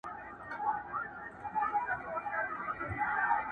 موږ به د جمعې لمونځ دلته کاوه.